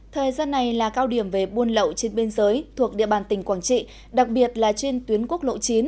thời gian này là cao điểm về buôn lậu trên biên giới thuộc địa bàn tỉnh quảng trị đặc biệt là trên tuyến quốc lộ chín